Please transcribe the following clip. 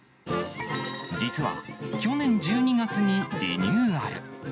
実は、去年１２月にリニューアル。